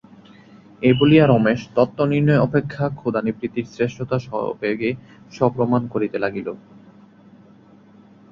এই বলিয়া রমেশ তত্ত্বনির্ণয় অপেক্ষা ক্ষুধানিবৃত্তির শ্রেষ্ঠতা সবেগে সপ্রমাণ করিতে লাগিল।